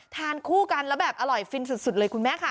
ทานคู่กันแล้วแบบอร่อยฟินสุดเลยคุณแม่ค่ะ